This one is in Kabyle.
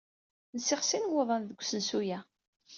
Nsiɣ sin waḍan deg usensu-a.